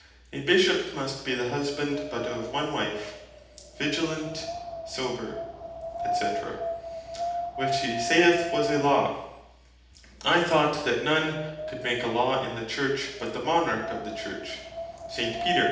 "A Bishop must be the husband but of one wife, vigilant, sober, &c." which he saith was a Law. I thought that none could make a Law in the Church, but the Monarch of the Church, St. Peter.